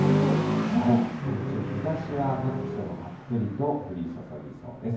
日中、日ざしは各地ともたっぷりと降り注ぎそうです。